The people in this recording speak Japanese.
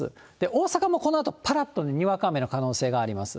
大阪もこのあとぱらっとにわか雨の可能性があります。